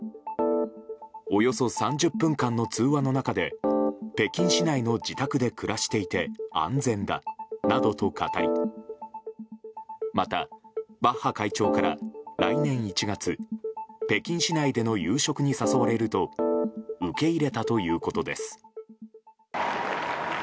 およそ３０分間の通話の中で北京市内の自宅で暮らしていて安全だなどと語りまた、バッハ会長から来年１月北京市内での夕食に誘われると受け入れたということです。